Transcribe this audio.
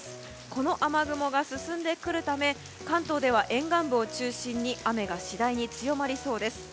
この雨雲が進んでくるため関東では、沿岸部を中心に雨が次第に強まりそうです。